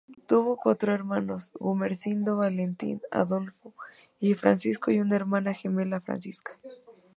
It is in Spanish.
Tuvo cuatro hermanos: Gumersindo, Valentín, Adolfo y Francisco, y una hermana gemela, Francisca.